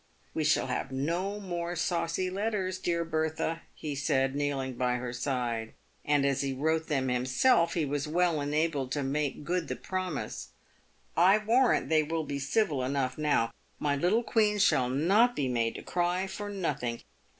" We shall have no more saucy letters, dear Bertha," he said, kneeling by her side, and as he wrote them himself he was well enabled to make good the promise. " I warrant they will be civil enough now. My little queen shall not be made to cry for nothing.